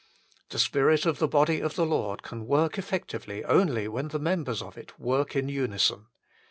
The Spirit of the body of the Lord can work effectively only when the members of it work in unison.